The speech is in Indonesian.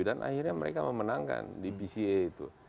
dan akhirnya mereka memenangkan di pca itu